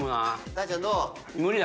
大ちゃんどう？